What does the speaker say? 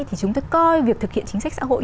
thì chúng tôi coi việc thực hiện chính sách xã hội